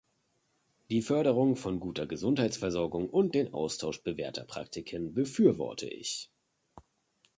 Die Förderung von guter Gesundheitsversorgung und den Austausch bewährter Praktiken befürworte ich.